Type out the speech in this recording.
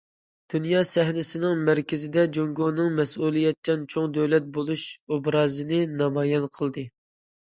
دۇنيا سەھنىسىنىڭ مەركىزىدە جۇڭگونىڭ مەسئۇلىيەتچان چوڭ دۆلەت بولۇش ئوبرازىنى نامايان قىلدى.